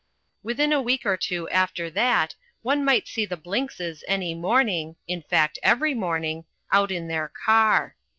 Within a week or two after that one might see the Blinkses any morning, in fact every morning, out in their car!